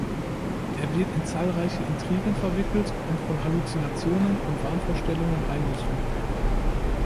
Er wird in zahlreiche Intrigen verwickelt und von Halluzinationen und Wahnvorstellungen heimgesucht.